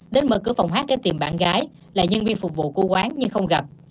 đến mở cửa phòng hát để tìm bạn gái là nhân viên phục vụ của quán nhưng không gặp